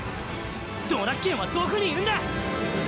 ドラッケンはどこにいるんだ！